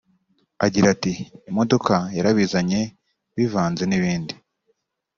Agira ati “Imodoka yarabizanye bivanze n’ibindi